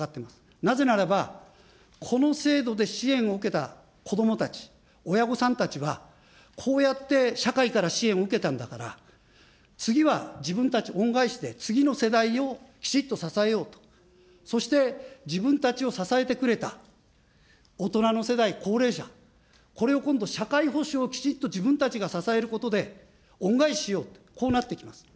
なぜならば、この制度で支援を受けたこどもたち、親御さんたちは、こうやって社会から支援を受けたんだから、次は自分たち、恩返しで次の世代をきちっと支えようと、そして、自分たちを支えてくれた大人の世代、高齢者、これを今度、社会保障をきちっと自分たちが支えることで恩返ししよう、こうなってきます。